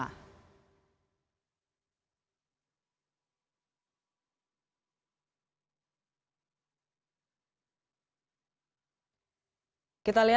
kepmompen the hadassah